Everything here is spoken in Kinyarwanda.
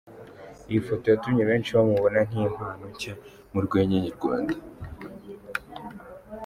Iyi foto yatumye benshi bamubona nk'impano nshya mu rwenya nyarwanda.